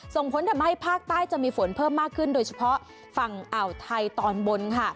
ส่งผลทำให้ภาคใต้จะมีฝนเพิ่มมากขึ้นโดยเฉพาะฝั่งอ่าวไทยตอนบนค่ะ